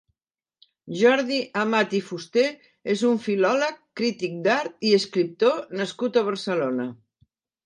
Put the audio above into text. Jordi Amat i Fusté és un filòleg, crític d'art i escriptor nascut a Barcelona.